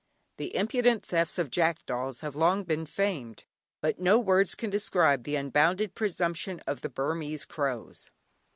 The impudent thefts by jackdaws have long been famed, but no words can describe the unbounded presumption of the Burmese crows.